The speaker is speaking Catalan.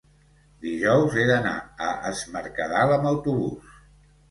Dijous he d'anar a Es Mercadal amb autobús.